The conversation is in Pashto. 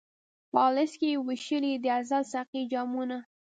په الست کي یې وېشلي د ازل ساقي جامونه